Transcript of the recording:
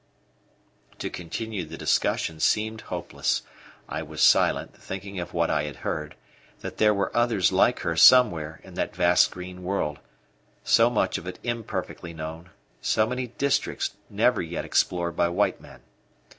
To continue the discussion seemed hopeless. I was silent, thinking of what I had heard that there were others like her somewhere in that vast green world, so much of it imperfectly known, so many districts never yet explored by white men.